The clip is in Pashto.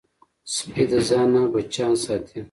سپي د ځان نه بچیان ساتي.